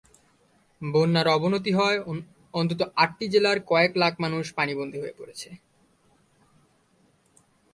বন্যার অবনতি হওয়ায় অন্তত আটটি জেলার কয়েক লাখ মানুষ পানিবন্দী হয়ে পড়েছে।